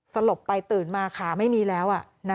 สลบไปตื่นมาขาไม่มีแล้ว